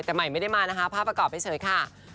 แต่ใหม่ไม่ได้มานะคะภาพประกอบเฉยค่ะ